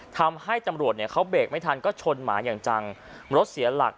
ทำให้ตำรวจเนี่ยเขาเบรกไม่ทันก็ชนหมาอย่างจังรถเสียหลัก